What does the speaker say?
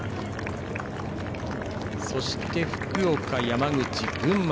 そして福岡、山口、群馬。